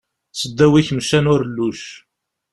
Seddaw ikemcan urelluc.